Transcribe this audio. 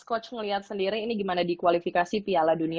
coach melihat sendiri ini gimana dikualifikasi piala dunia dua ribu dua puluh dua